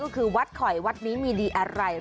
ก็คือวัดข่อยวัดนี้มีดีอะไร